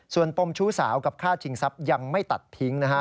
ส่วนปมชู้สาวกับค่าชิงทรัพย์ยังไม่ตัดทิ้งนะฮะ